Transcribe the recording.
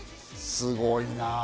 すごいな。